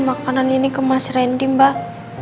makanan ini ke mas randy mbak